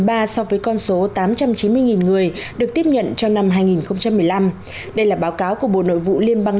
ba so với con số tám trăm chín mươi người được tiếp nhận trong năm hai nghìn một mươi năm đây là báo cáo của bộ nội vụ liên bang